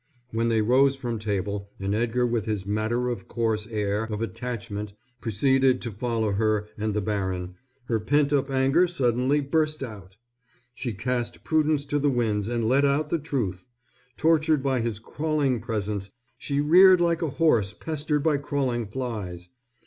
When they rose from table and Edgar with his matter of course air of attachment preceded to follow her and the baron, her pent up anger suddenly burst out. She cast prudence to the winds and let out the truth. Tortured by his crawling presence she reared like a horse pestered by crawling flies.